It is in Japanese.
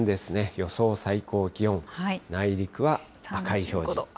予想最高気温、内陸は赤い表示。